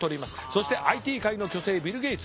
そしてＩＴ界の巨星ビル・ゲイツ。